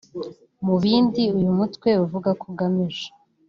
Mu bindi uyu mutwe uvuga ko ugamije